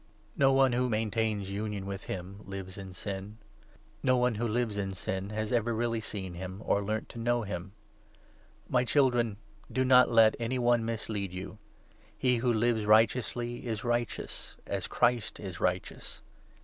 No one who maintains 6 480 I. JOHN, 3. union with him lives in sin ; no one who lives in sin has ever really seen him or learnt to know him. My Children, do not let any one mislead you. He who lives righteously is righteous — as Christ is righteous.